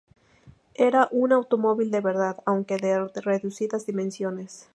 Era un automóvil de verdad, aunque de reducidas dimensiones.